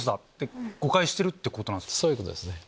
そういうことですね。